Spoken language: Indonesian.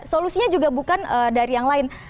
solusinya juga bukan dari yang lain